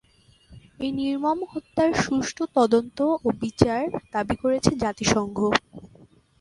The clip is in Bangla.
এই নির্মম হত্যার সুষ্ঠু তদন্ত ও বিচার দাবি করেছে জাতিসংঘ।